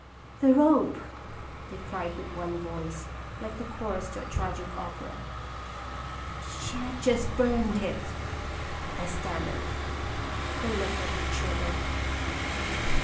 "The rope?" they cried with one voice, like the chorus to a tragic opera. " She had just burned it," 1 stammered. They looked at each other.